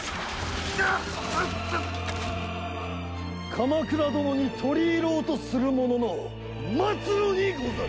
鎌倉殿に取り入ろうとする者の末路にござる！